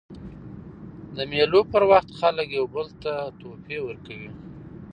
د مېلو پر وخت خلک یو بل ته تحفې ورکوي.